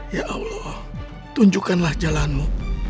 ya allah tunjukkanlah jalanmu